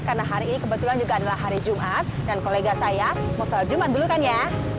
karena hari ini kebetulan juga adalah hari jumat dan kolega saya mau selamat jumat dulu kan ya